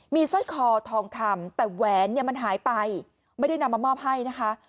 มีสร้อยคอทองคำแต่แหวนเนี่ยมันหายไปไม่ได้นำมามอบให้นะคะ